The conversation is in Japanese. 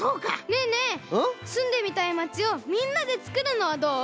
ねえねえすんでみたい町をみんなでつくるのはどう？